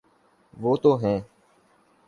وہ تو ہیں۔